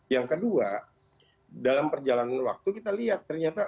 yang kedua dalam perjalanan waktu kita lihat ternyata